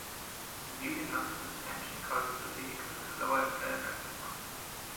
The yielding of the suspension causes the vehicle to lower itself at the front.